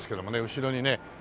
後ろにね